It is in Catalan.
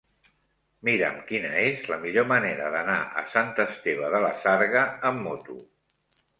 Mira'm quina és la millor manera d'anar a Sant Esteve de la Sarga amb moto.